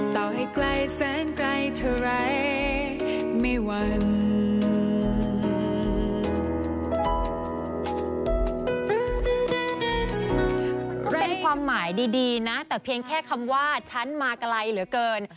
เป็นความหมายดีนะแต่เพียงแค่คำว่าฉันมาไกลเหลือเกิน